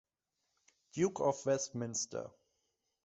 Duke of Westminster.